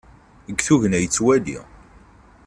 Deg tugna yettwali.